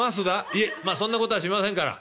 「いえまあそんなことはしませんから。